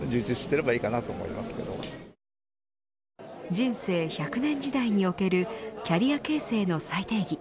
人生１００年時代におけるキャリア形成の再定義。